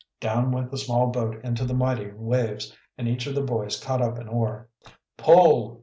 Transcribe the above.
Down went the small boat into the mighty waves, and each of the boys caught up an oar. "Pull!"